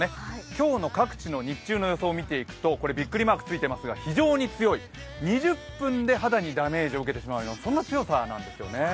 今日の各地の日中の予想を見ていくとビックリマークついていますが非常に強い、２０分で肌にダメージを受けてしまうとそんな強さなんですよね。